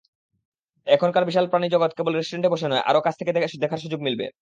এখানকার বিশাল প্রাণিজগৎ কেবল রেস্টুরেন্টে বসে নয়, আরও কাছ থেকে দেখার সুযোগ মিলবে।